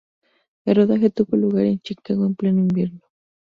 El rodaje tuvo lugar en Chicago en pleno invierno.